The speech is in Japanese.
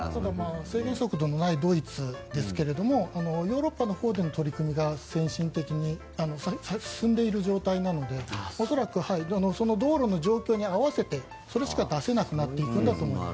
制限速度のないドイツですがヨーロッパのほうでの取り組みが先進的に進んでいる状態なので恐らく、道路の状況に合わせてそれしか出せなくなっていくんだと思います。